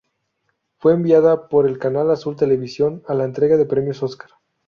Fue enviada por el canal Azul Televisión a la entrega de los premios Óscar.